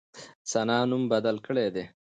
ثنا نوم بدل کړی دی.